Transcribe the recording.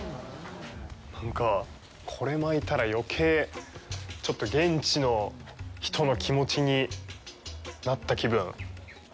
なんかこれ巻いたら、余計ちょっと現地の人の気持ちになった気分。